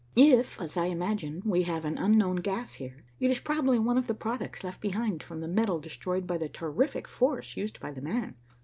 "If, as I imagine, we have an unknown gas here, it is probably one of the products left behind from the metal destroyed by the terrific force used by the man.